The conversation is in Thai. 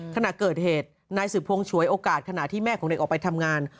ขณะเกิดเหตุนายสืบพวงฉวยโอกาสขณะที่แม่ของเด็กออกไปทำงาน